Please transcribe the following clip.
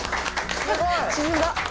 すごい！沈んだ。